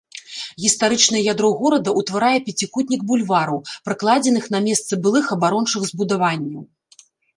Гістарычнае ядро горада ўтварае пяцікутнік бульвараў, пракладзеных на месцы былых абарончых збудаванняў.